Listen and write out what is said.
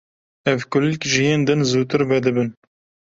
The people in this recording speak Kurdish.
Ev kulîlk ji yên din zûtir vedibin.